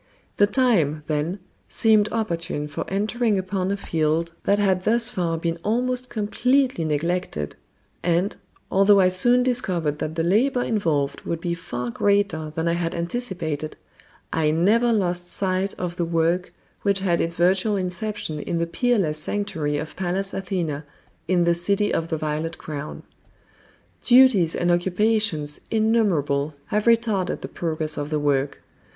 The time, then, seemed opportune for entering upon a field that had thus far been almost completely neglected; and, although I soon discovered that the labor involved would be far greater than I had anticipated, I never lost sight of the work which had its virtual inception in the peerless sanctuary of Pallas Athena in the "City of the Violet Crown." Duties and occupations innumerable have retarded the progress of the work.